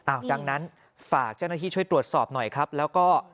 ดังนั้นฝากเจ้าหน้าที่ช่วยตรวจสอบหน่อยครับแล้วก็